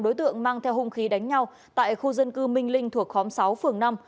đối tượng mang theo hung khí đánh nhau tại khu dân cư minh linh thuộc khóm sáu phường năm